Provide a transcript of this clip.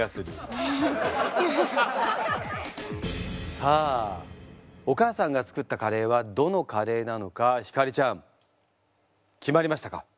さあお母さんが作ったカレーはどのカレーなのか晃ちゃん決まりましたか？